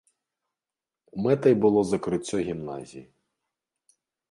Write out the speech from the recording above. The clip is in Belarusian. Мэтай было закрыццё гімназіі.